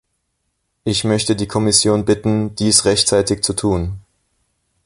Ich möchte die Kommission bitten, dies rechtzeitig zu tun.